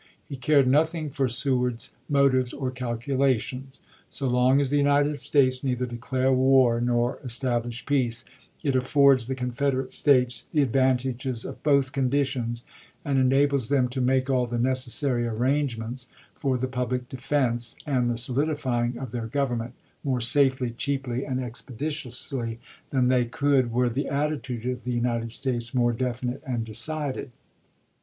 He cared nothing for Sew ard's motives or calculations. So long as the United States neither declare war nor establish peace, " it affords the Confederate States the ad vantages of both conditions, and enables them to make all the necessary arrangements for the public defense, and the solidifying of their Government, more safely, cheaply, and expeditiously than they Toombsto could were the attitude of the United States more mSfsion™s, definite and decided."